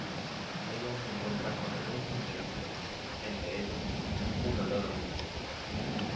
Ella se encuentra con algunos imprevistos, entre ellos, un olor horrible.